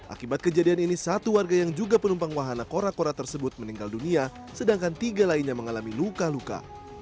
akibat kejadian ini satu warga yang juga penumpang wahana kora kora tersebut meninggal dunia sedangkan tiga lainnya mengalami luka luka